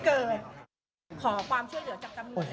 ขอความช่วยเหลือจากกำหนดแล้ว